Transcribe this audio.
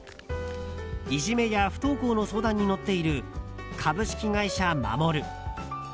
いじめや不登校の相談に乗っている株式会社マモル。